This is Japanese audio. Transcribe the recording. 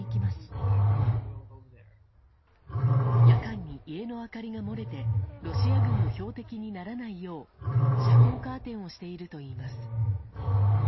夜間に家の明かりが漏れてロシア軍の標的にならないよう遮光カーテンをしているといいます。